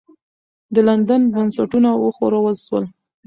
د لندن بنسټونه وښورول سول.